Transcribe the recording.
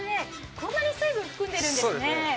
こんなに水分含んでるんですね。